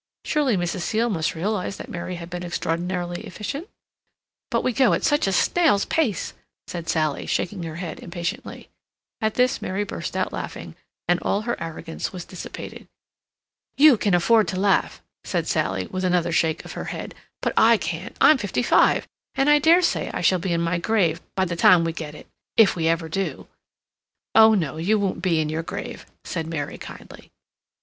Surely Mrs. Seal must realize that Mary had been extraordinarily efficient? "But we go at such a snail's pace," said Sally, shaking her head impatiently. At this Mary burst out laughing, and all her arrogance was dissipated. "You can afford to laugh," said Sally, with another shake of her head, "but I can't. I'm fifty five, and I dare say I shall be in my grave by the time we get it—if we ever do." "Oh, no, you won't be in your grave," said Mary, kindly.